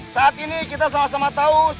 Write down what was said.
saat ini kita sama sama tahu